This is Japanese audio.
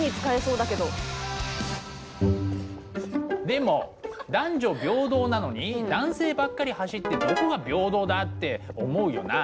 でも男女平等なのに男性ばっかり走ってどこが平等だって思うよな？